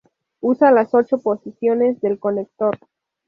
Usa las ocho posiciones del conector.